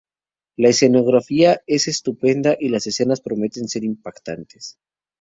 La escenografía es estupenda y las escenas prometen ser impactantes.